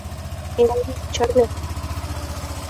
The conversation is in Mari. Элавий, чарне!